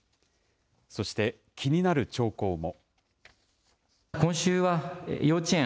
そして気になる兆候も。